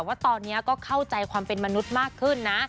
ว่าตอนนี้ก็เข้าใจความเป็นมนุษย์มากขึ้นนะ